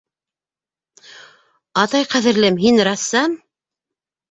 Атай, ҡәҙерлем, һин рәссам!